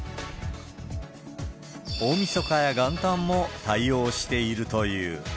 大みそかや元旦も対応しているという。